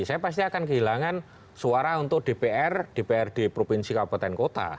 saya pasti akan kehilangan suara untuk dpr dprd provinsi kabupaten kota